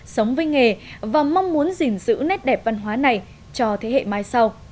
sống với nghề và mong muốn gìn giữ nét đẹp văn hóa này cho thế hệ mai sau